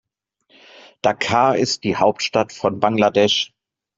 Dhaka ist die Hauptstadt von Bangladesch.